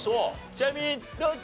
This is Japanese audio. ちなみにどっち？